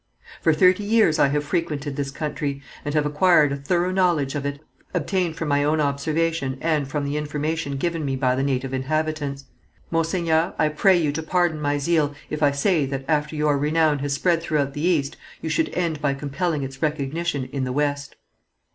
"For thirty years I have frequented this country, and have acquired a thorough knowledge of it, obtained from my own observation and the information given me by the native inhabitants. Monseigneur, I pray you to pardon my zeal, if I say that, after your renown has spread throughout the East, you should end by compelling its recognition in the West.